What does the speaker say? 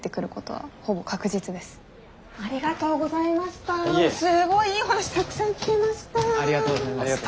すごいいいお話たくさん聞けました。